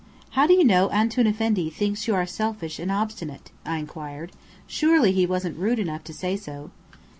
"How do you know Antoun Effendi thinks you selfish and obstinate?" I inquired. "Surely he wasn't rude enough to say so?"